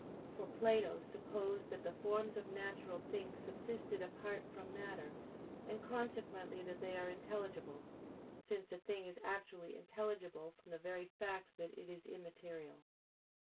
For Plato supposed that the forms of natural things subsisted apart from matter, and consequently that they are intelligible: since a thing is actually intelligible from the very fact that it is immaterial.